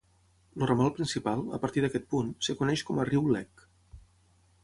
El ramal principal, a partir d'aquest punt, es coneix com a riu Lek.